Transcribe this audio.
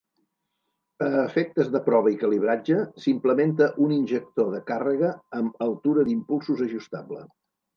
A efectes de prova i calibratge, s'implementa un injector de càrrega amb altura d'impulsos ajustable.